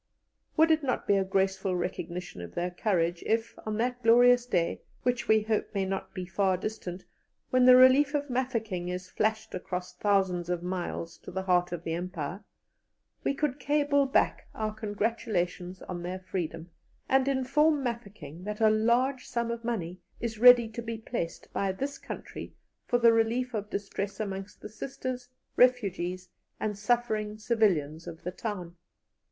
Would it not be a graceful recognition of their courage if, on that glorious day, which we hope may not be far distant, when the relief of Mafeking is flashed across thousands of miles to the 'heart of the Empire,' we could cable back our congratulations on their freedom, and inform Mafeking that a large sum of money is ready to be placed by this country for the relief of distress amongst the Sisters, refugees, and suffering civilians of the town?